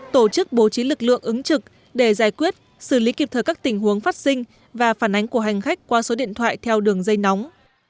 tổ chức bố trí lực lượng ứng trực để giải quyết xử lý kịp thời các tình huống phát sinh và phản ánh của hành khách qua số điện thoại theo đường dây nóng